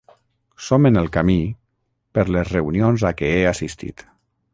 Som en el camí, per les reunions a què he assistit.